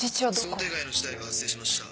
想定外の事態が発生しました。